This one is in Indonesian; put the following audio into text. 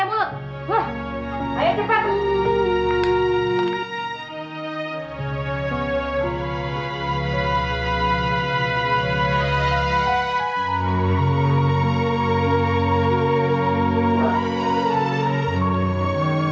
yang ada si devin disasaran lagi